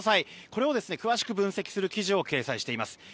これを詳しく分析する記事を掲載しています。